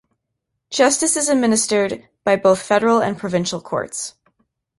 Justice is administered by both federal and provincial courts.